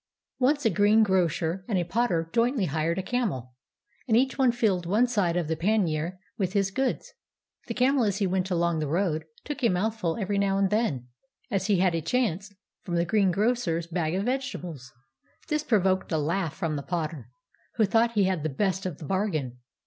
] Once a greengrocer and a potter jointly hired a camel; and each filled one side of the pannier with his goods. The camel as he went along the road took a mouthful every now and then, as he had a chance, from the green grocer's bag of vegetables. This provoked a laugh from the potter, who thought he had the best of the bargain.